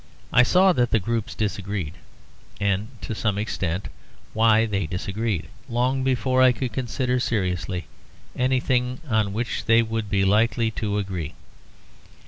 I saw that the groups disagreed, and to some extent why they disagreed, long before I could seriously consider anything on which they would be likely to agree.